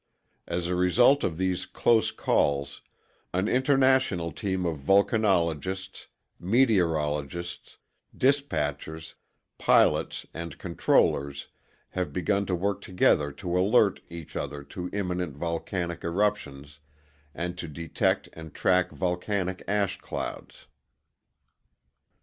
As a result of these close calls, an international team of volcanologists, meteorologists, dispatchers, pilots, and controllers have begun to work together to alert each other to imminent volcanic eruptions and to detect and track volcanic ash clouds.